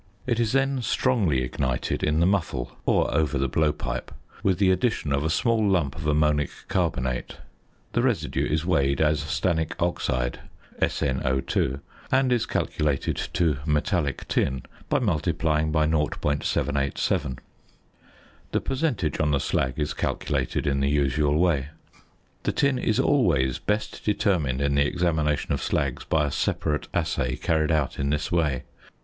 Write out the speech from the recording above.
It is then strongly ignited in the muffle (or over the blowpipe) with the addition of a small lump of ammonic carbonate. The residue is weighed as stannic oxide (SnO_); and is calculated to metallic tin by multiplying by 0.787. The percentage on the slag is calculated in the usual way. The tin is always best determined in the examination of slags by a separate assay carried out in this way.